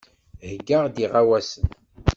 Heyyaɣ-d iɣawasen.